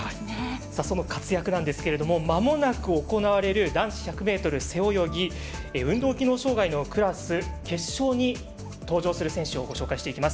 その活躍なんですがまもなく行われる男子１００ｍ背泳ぎ運動機能障がいのクラス決勝に登場する選手をご紹介していきます。